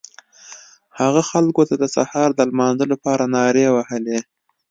هغه خلکو ته د سهار د لمانځه لپاره نارې وهلې.